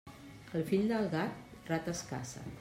El fill del gat, rates caça.